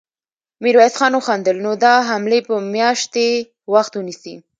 ميرويس خان وخندل: نو دا حملې به مياشتې وخت ونيسي.